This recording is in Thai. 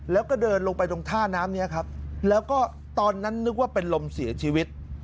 แล้วก็เดินลงไปตรงท่าน้ำนี้ครับแล้วก็ตอนนั้นนึกว่าเป็นลมเสียชีวิต